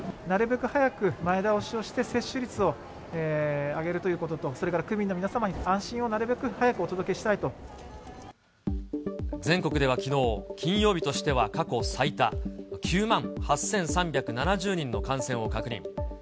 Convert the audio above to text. なるべく早く前倒しをして、接種率を上げるということと、それから区民の皆様に安心をなる全国ではきのう、金曜日としては過去最多、９万８３７０人の感染を確認。